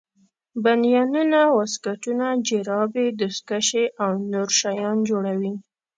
بنینونه واسکټونه جورابې دستکشې او نور شیان جوړوي.